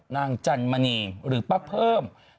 จันมณีหรือป้าเพิ่ม